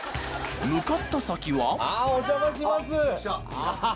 向かった先はあお邪魔しますアハハ。